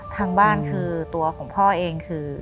ทางบ้านคือตัวของพ่อเองคือ